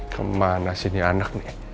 kemana sih ini anak nih